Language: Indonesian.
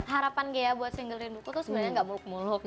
harapan ghea buat single rinduku tuh sebenernya gak muluk muluk